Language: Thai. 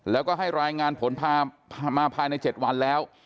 แล้วก็ให้รายงานผลมาภายใน๗วันแล้ว